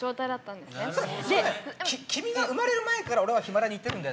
でも、君が生まれる前から俺はヒマラヤに行ってるんだよ？